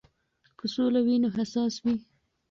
که سوله وي نو حساس وي.